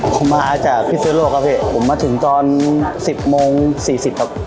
ผมมาจากพิศโรครับเฮะผมมาถึงตอนสิบโมงสี่สิบครับ